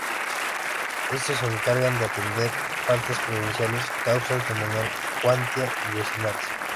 Estos se encargan de atender faltas provinciales, causas de menor cuantía y vecinales.